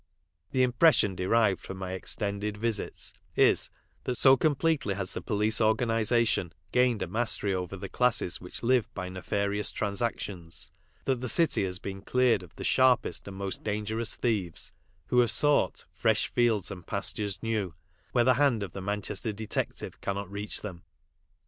The impression derived from my extended^ visits is that so completely has the police organisation gained a mastery over the classes which live by nefarious transactions that the city has been cleared of the sharpest and most dangerous thieves, who have sought " fresh fields and pastures new," where the hand of the Manchester detective cannot reach them.